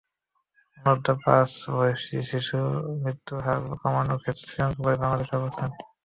অনূর্ধ্ব পাঁচ বছর বয়সী শিশুমৃত্যুর হার কমানোর ক্ষেত্রেও শ্রীলঙ্কার পরেই বাংলাদেশের অবস্থান।